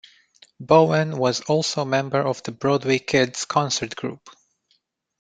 Bowen was also a member of The Broadway Kids concert group.